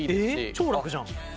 超楽じゃん。